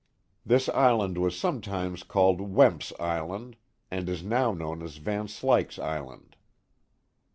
This island was sometimes called Wemp*s Island, and is now known as Van Slyck's Island.